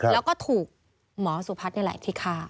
แล้วก็ถูกหมอสุพัฒน์นี่แหละที่ฆ่า